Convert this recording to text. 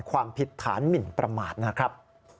ความผิดฐานหมินประมาทนะครับ